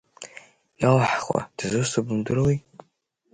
Иалаҳхуа дызусҭоу бымдыруеи.